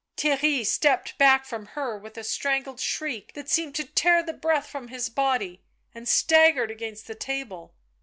Theirry stepped back from her with a strangled shriek that seemed to tear the breath from his body, and staggered against the table.